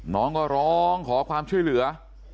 น้องก็ร้องขอความช่วยเหลือ